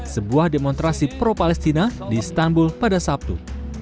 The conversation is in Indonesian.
sebuah demonstrasi pro palestina di istanbul pada sabtu